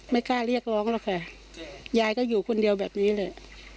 ไม่กล้าเรียกร้องหรอกค่ะยายก็อยู่คนเดียวแบบนี้แหละ